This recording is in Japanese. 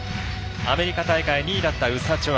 アメリカ大会２位だったウサチョワ。